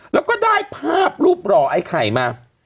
แล้วก็ได้ภาพรูปหล่อไอ้ไข่มา